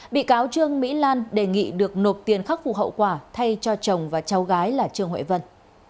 bị cáo trương mỹ lan đề nghị được nộp tiền khắc phục hậu quả thay cho chồng và cháu gái là trương huệ vân